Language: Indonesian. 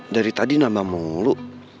dari tadi nambah menghulu